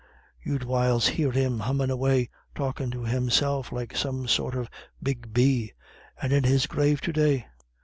You'd whiles hear him hummin' away, talkin' to himself like some sort of big bee and in his grave to day!